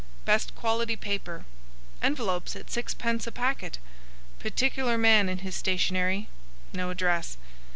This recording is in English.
Best quality paper. Envelopes at sixpence a packet. Particular man in his stationery. No address.